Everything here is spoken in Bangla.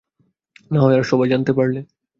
নাহয় আর-সবাই জানতে পারলে।